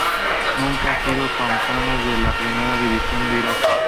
Nunca han sido campeones de la Primera División de Irak.